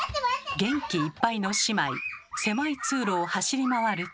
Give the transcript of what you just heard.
元気いっぱいの姉妹狭い通路を走り回ると。